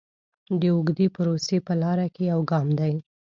د اوږدې پروسې په لاره کې یو ګام دی.